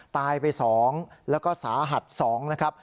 ตายไป๒แล้วก็สาหัส๒นะครับ